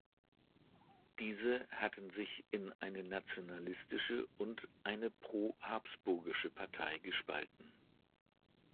Diese hatten sich in eine nationalistische und eine pro-habsburgische Partei gespalten.